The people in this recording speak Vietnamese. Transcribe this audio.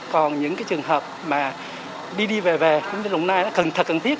còn những cái trường hợp mà đi đi về về doanh nghiệp đồng nai là thật cần thiết